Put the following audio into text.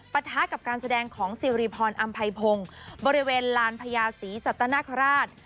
ปะทะกับการแสดงของซิริพรอำไพพงศ์บริเวณลานพญาศรีสัตนคราช